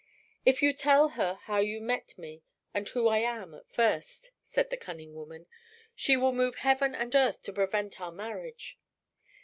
"If you tell her how you met me and who I am at first," said the cunning woman, "she will move heaven and earth to prevent our marriage.